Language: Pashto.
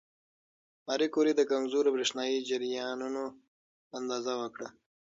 ماري کوري د کمزورو برېښنايي جریانونو اندازه وکړه.